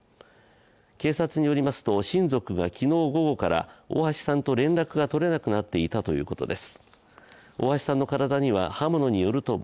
警察によりますと、親族が昨日午後から大橋さんと連絡が取れなくなっていたということです。